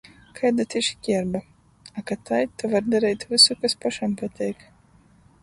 Kaida tī škierba? A, ka tai, to var dareit vysu, kas pošam pateik.